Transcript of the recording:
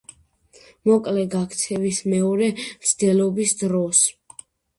მოკლეს გაქცევის მეორე მცდელობის დროს.